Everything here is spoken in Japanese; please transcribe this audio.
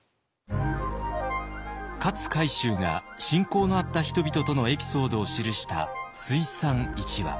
勝海舟が親交のあった人々とのエピソードを記した「追賛一話」。